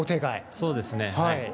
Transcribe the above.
そうですね。